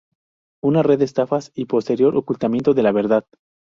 Una red de estafas y posterior ocultamiento de la verdad.